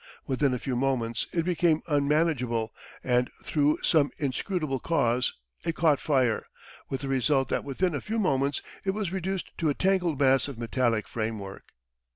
Within a few moments it became unmanageable, and through some inscrutable cause, it caught fire, with the result that within a few moments it was reduced to a tangled mass of metallic framework.